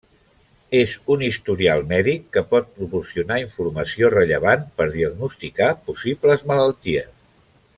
És un historial mèdic que pot proporcionar informació rellevant per diagnosticar possibles malalties.